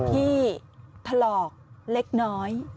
ถลอกเล็กน้อย